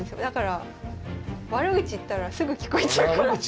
だから悪口言ったらすぐ聞こえちゃうから。